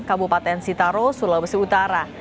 kabupaten sitaro sulawesi utara